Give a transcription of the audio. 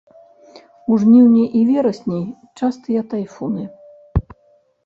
У жніўні і верасні частыя тайфуны.